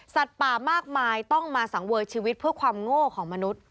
ป่ามากมายต้องมาสังเวยชีวิตเพื่อความโง่ของมนุษย์